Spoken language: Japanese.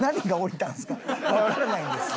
わからないんですけど。